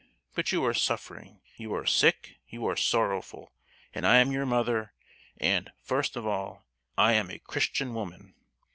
But you are suffering, you are sick, you are sorrowful, and I am your mother, and, first of all, I am a Christian woman!